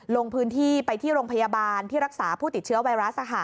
ลงพื้นที่ไปที่โรงพยาบาลที่รักษาผู้ติดเชื้อไวรัส